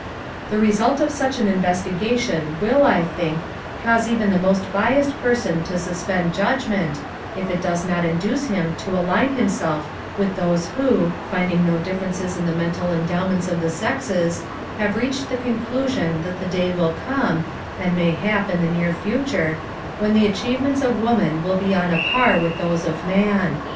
The result of such an investigation will, I think, cause even the most biased person to suspend judgment, if it does not induce him to align himself with those who, finding no differences in the mental endowments of the sexes, have reached the conclusion that the day will come, and, mayhap, in the near future, when the achievements of women will be on a par with those of man.